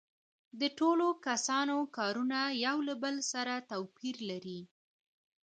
د ټولو کسانو کارونه یو له بل سره توپیر لري